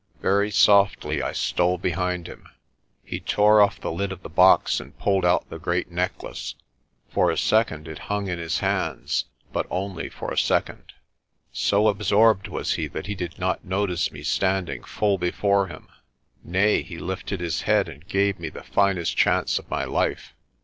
Very softly I stole behind him. He tore off the lid of the box and pulled out the great necklace. For a second it hung in his hands, but only for a second. So absorbed was he that he did not notice me standing full before him. Nay, he lifted his head and gave me the finest chance of my life.